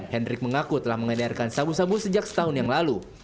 hendrik mengaku telah mengedarkan sabu sabu sejak setahun yang lalu